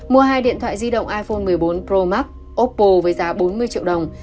mua hai điện thoại di động iphone một mươi bốn pro max opple với giá bốn mươi triệu đồng